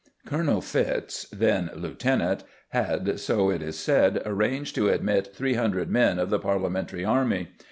Colonel Fitz, then Lieutenant, had, so it is said, arranged to admit three hundred men of the Parliamentary army.